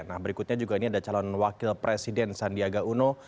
nah berikutnya juga ini ada calon wakil presiden sandiaga uno